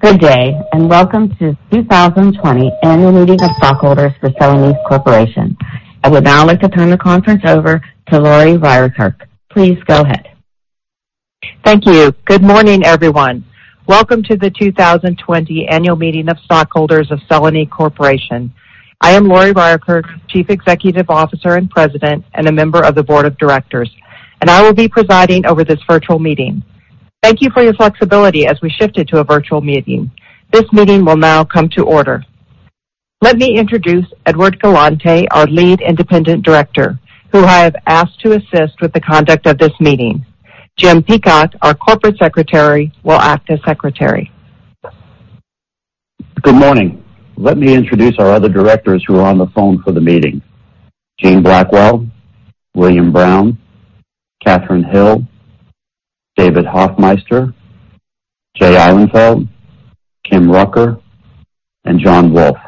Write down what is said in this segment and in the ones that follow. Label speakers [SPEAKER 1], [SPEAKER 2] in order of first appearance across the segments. [SPEAKER 1] Good day, welcome to 2020 annual meeting of stockholders for Celanese Corporation. I would now like to turn the conference over to Lori Ryerkerk. Please go ahead.
[SPEAKER 2] Thank you. Good morning, everyone. Welcome to the 2020 Annual Meeting of Stockholders of Celanese Corporation. I am Lori Ryerkerk, Chief Executive Officer and President, and a member of the Board of Directors, and I will be presiding over this virtual meeting. Thank you for your flexibility as we shifted to a virtual meeting. This meeting will now come to order. Let me introduce Edward Galante, our Lead Independent Director, who I have asked to assist with the conduct of this meeting. Jim Peacock, our Corporate Secretary, will act as Secretary.
[SPEAKER 3] Good morning. Let me introduce our other directors who are on the phone for the meeting. Jean Blackwell, William Brown, Kathryn Hill, David Hoffmeister, Jay Ihlenfeld, Kim Rucker, and John Wulff.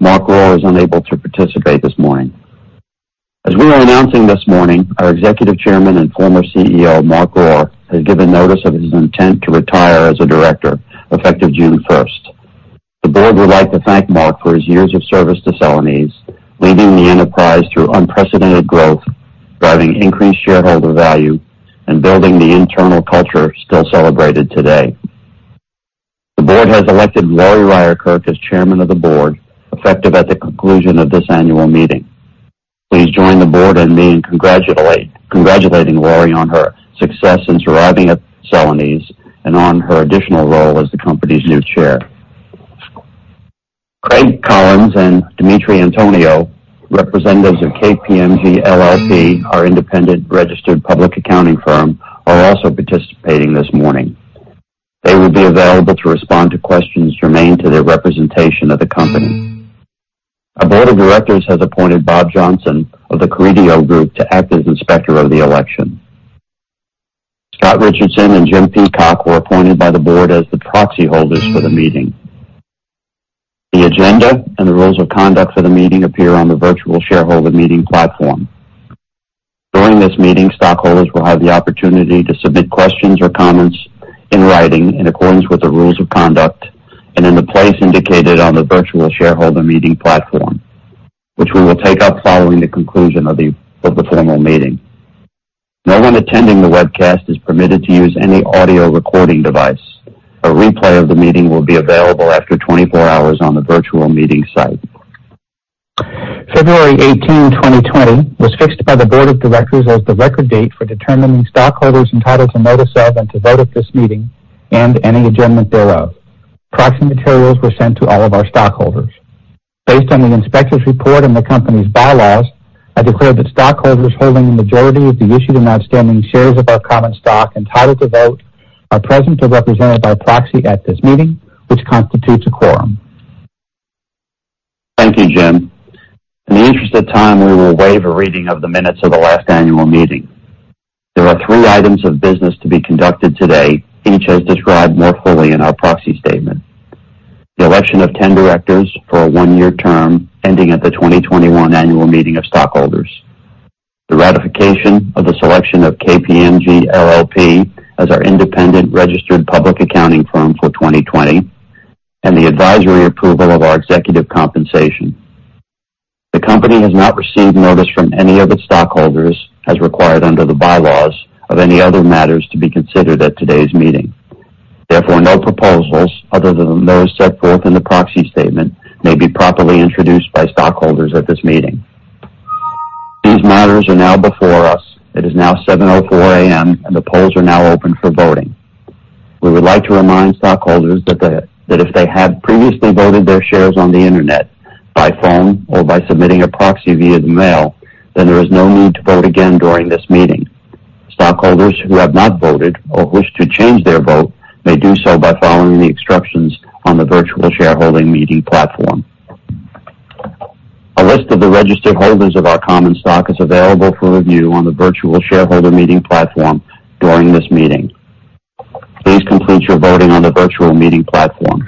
[SPEAKER 3] Mark Rohr is unable to participate this morning. As we are announcing this morning, our Executive Chairman and former CEO, Mark Rohr, has given notice of his intent to retire as a director effective June 1st. The board would like to thank Mark for his years of service to Celanese, leading the enterprise through unprecedented growth, driving increased shareholder value, and building the internal culture still celebrated today. The board has elected Lori Ryerkerk as Chairman of the Board, effective at the conclusion of this annual meeting. Please join the board and me in congratulating Lori on her success since arriving at Celanese and on her additional role as the company's new chair. Craig Collins and Dimitri Antoniou, representatives of KPMG LLP, our independent registered public accounting firm, are also participating this morning. They will be available to respond to questions germane to their representation of the company. Our Board of Directors has appointed Bob Johnson of The Carideo Group to act as Inspector of the Election. Scott Richardson and Jim Peacock were appointed by the board as the proxy holders for the meeting. The agenda and the rules of conduct for the meeting appear on the virtual shareholder meeting platform. During this meeting, stockholders will have the opportunity to submit questions or comments in writing in accordance with the rules of conduct and in the place indicated on the virtual shareholder meeting platform, which we will take up following the conclusion of the formal meeting. No one attending the webcast is permitted to use any audio recording device. A replay of the meeting will be available after 24 hours on the virtual meeting site.
[SPEAKER 4] February 18, 2020, was fixed by the Board of Directors as the record date for determining stockholders entitled to notice of and to vote at this meeting and any adjournment thereof. Proxy materials were sent to all of our stockholders. Based on the Inspector's report and the company's bylaws, I declare that stockholders holding the majority of the issued and outstanding shares of our common stock entitled to vote are present or represented by proxy at this meeting, which constitutes a quorum.
[SPEAKER 3] Thank you, Jim. In the interest of time, we will waive a reading of the minutes of the last annual meeting. There are three items of business to be conducted today, each as described more fully in our proxy statement. The election of 10 directors for a one-year term ending at the 2021 annual meeting of stockholders. The ratification of the selection of KPMG LLP as our independent registered public accounting firm for 2020, and the advisory approval of our executive compensation. The company has not received notice from any of its stockholders, as required under the bylaws, of any other matters to be considered at today's meeting. Therefore, no proposals other than those set forth in the proxy statement may be properly introduced by stockholders at this meeting. These matters are now before us. It is now 7:04 A.M., and the polls are now open for voting. We would like to remind stockholders that if they had previously voted their shares on the Internet, by phone, or by submitting a proxy via the mail, then there is no need to vote again during this meeting. Stockholders who have not voted or wish to change their vote may do so by following the instructions on the virtual shareholder meeting platform. A list of the registered holders of our common stock is available for review on the virtual shareholder meeting platform during this meeting. Please complete your voting on the virtual meeting platform.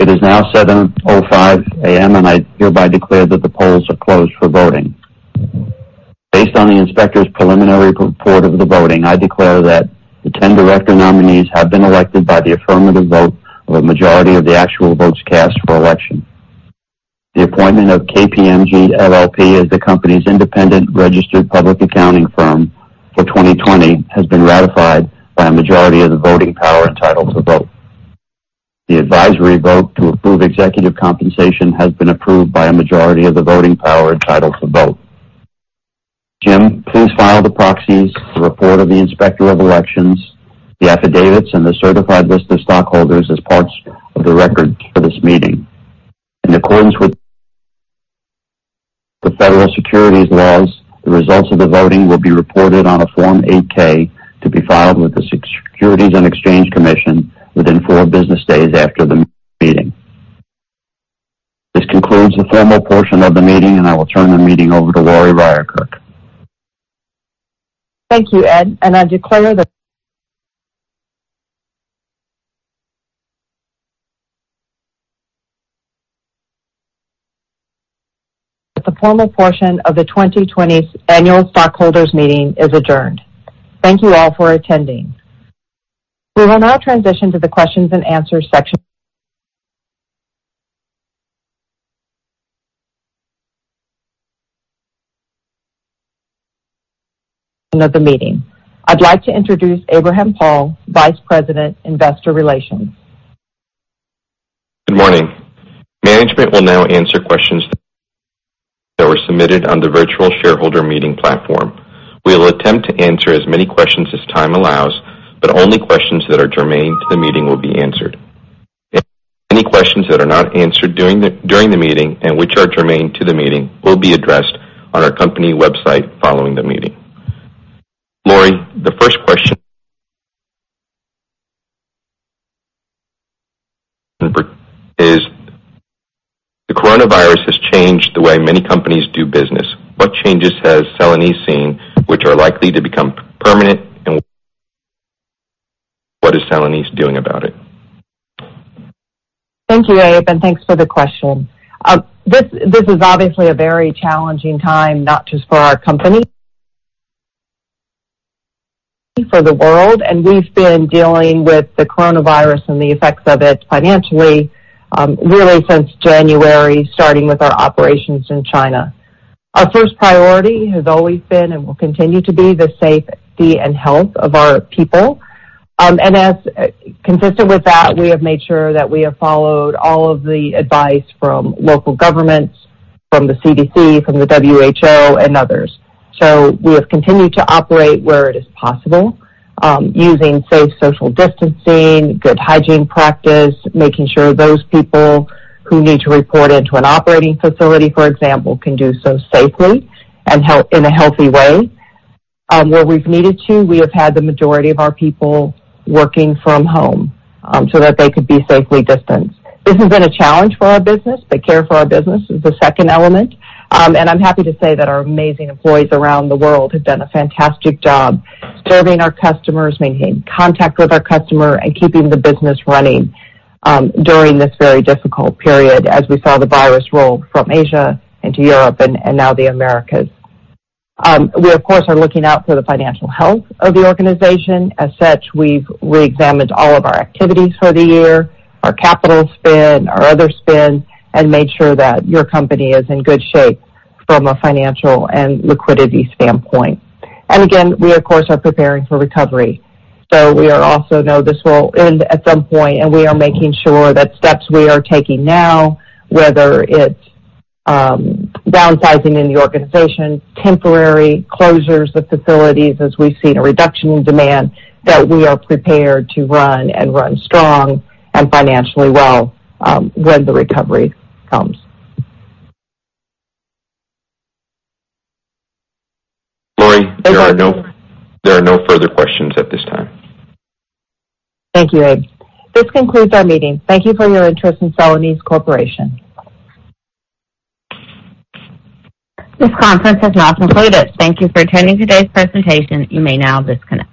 [SPEAKER 3] It is now 7:05 A.M., and I hereby declare that the polls are closed for voting. Based on the inspector's preliminary report of the voting, I declare that the 10 director nominees have been elected by the affirmative vote of a majority of the actual votes cast for election. The appointment of KPMG LLP as the company's independent registered public accounting firm for 2020 has been ratified by a majority of the voting power entitled to vote. The advisory vote to approve executive compensation has been approved by a majority of the voting power entitled to vote. Jim, please file the proxies, the report of the inspector of elections, the affidavits, and the certified list of stockholders as parts of the records for this meeting. In accordance with the federal securities laws, the results of the voting will be reported on a Form 8-K to be filed with the Securities and Exchange Commission within four business days after the meeting. This concludes the formal portion of the meeting, and I will turn the meeting over to Lori Ryerkerk.
[SPEAKER 2] Thank you, Ed. I declare that the formal portion of the 2020 annual stockholders meeting is adjourned. Thank you all for attending. We will now transition to the questions-and-answers section of the meeting. I'd like to introduce Abraham Paul, Vice President, Investor Relations.
[SPEAKER 5] Good morning. Management will now answer questions that were submitted on the virtual shareholder meeting platform. We will attempt to answer as many questions as time allows, but only questions that are germane to the meeting will be answered. Any questions that are not answered during the meeting and which are germane to the meeting will be addressed on our company website following the meeting. Lori, the first question is, the coronavirus has changed the way many companies do business. What changes has Celanese seen which are likely to become permanent, and what is Celanese doing about it?
[SPEAKER 2] Thank you, Abe, and thanks for the question. This is obviously a very challenging time, not just for our company, for the world, and we've been dealing with the coronavirus and the effects of it financially, really, since January, starting with our operations in China. Our first priority has always been and will continue to be the safety and health of our people. As consistent with that, we have made sure that we have followed all of the advice from local governments, from the CDC, from the WHO, and others. We have continued to operate where it is possible, using safe social distancing, good hygiene practice, making sure those people who need to report into an operating facility, for example, can do so safely and in a healthy way. Where we've needed to, we have had the majority of our people working from home so that they could be safely distanced. This has been a challenge for our business. Care for our business is the second element. I'm happy to say that our amazing employees around the world have done a fantastic job serving our customers, maintaining contact with our customer, and keeping the business running during this very difficult period as we saw the virus roll from Asia into Europe and now the Americas. We, of course, are looking out for the financial health of the organization. As such, we've reexamined all of our activities for the year, our capital spend, our other spend, and made sure that your company is in good shape from a financial and liquidity standpoint. Again, we, of course, are preparing for recovery. We also know this will end at some point, and we are making sure that steps we are taking now, whether it's downsizing in the organization, temporary closures of facilities, as we've seen a reduction in demand, that we are prepared to run and run strong and financially well when the recovery comes.
[SPEAKER 5] Lori, there are no further questions at this time.
[SPEAKER 2] Thank you, Abe. This concludes our meeting. Thank you for your interest in Celanese Corporation.
[SPEAKER 1] This conference has now concluded. Thank you for attending today's presentation. You may now disconnect.